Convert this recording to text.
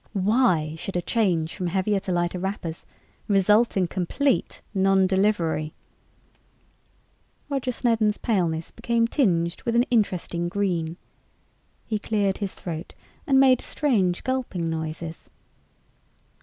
Why should a change from heavier to lighter wrappers result in complete non delivery?" Roger Snedden's paleness became tinged with an interesting green. He cleared his throat and made strange gulping noises.